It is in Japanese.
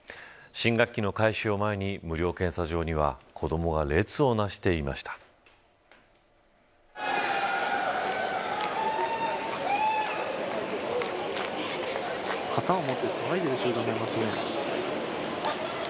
新学期の開始を前に無料検査場には子どもが列をなしていました。